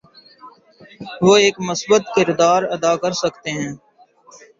وہ ایک مثبت کردار ادا کرسکتے ہیں۔